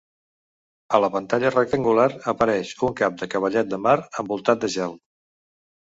A la pantalla rectangular apareix un cap de cavallet de mar envoltat de gel.